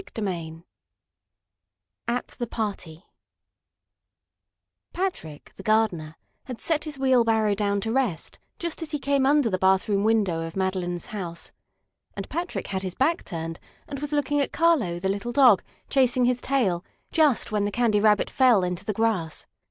CHAPTER IX AT THE PARTY Patrick, the gardener, had set his wheelbarrow down to rest just as he came under the bathroom window of Madeline's house. And Patrick had his back turned, and was looking at Carlo, the little dog, chasing his tail just when the Candy Rabbit fell into the grass.